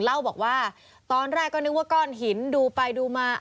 เล่าบอกว่าตอนแรกก็นึกว่าก้อนหินดูไปดูมา